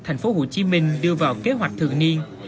thành phố hồ chí minh đưa vào kế hoạch thường niên